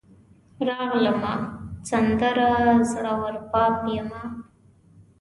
راغلمه , سندره زوړرباب یمه